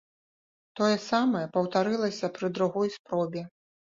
Тое самае паўтарылася пры другой спробе.